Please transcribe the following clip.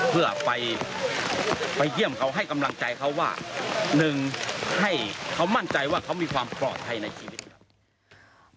เพื่อไปเยี่ยมเขาให้กำลังใจเขาว่าหนึ่งให้เขามั่นใจว่าเขามีความปลอดภัยในชีวิต